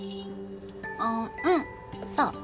あっうんそう。